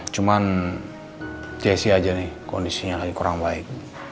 emmm jessy aja nih kondisinya lagi kurang baik